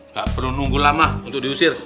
nggak perlu nunggu lama untuk diusir